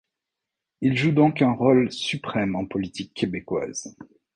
Il joue donc un rôle suprême en politique québécoise.